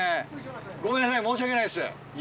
ごめんなさい申し訳ないです。